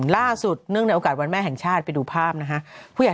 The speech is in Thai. ล่าสุดเนื่องในโอกาสวันแม่แห่งชาติไปดูภาพนะฮะผู้ใหญ่